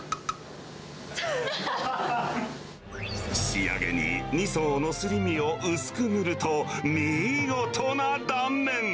仕上げに２層のすり身を薄く塗ると、見事な断面。